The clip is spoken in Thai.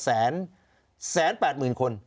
แสนแสนแปดหมื่นคน